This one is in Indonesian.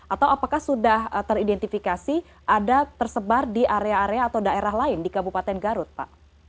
atau apakah sudah teridentifikasi ada tersebar di area area atau daerah lain di kabupaten garut pak